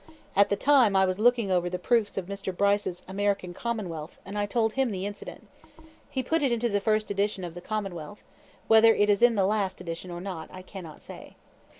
At the time I was looking over the proofs of Mr. Bryce's "American Commonwealth," and I told him the incident. He put it into the first edition of the "Commonwealth"; whether it is in the last edition or not, I cannot say.